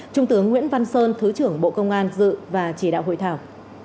trung tướng nguyễn văn sơn thứ trưởng bộ công an dự và chỉ đạo hội thảo